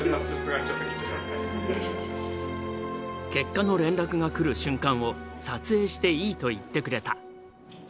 結果の連絡が来る瞬間を撮影していいと言ってくれた。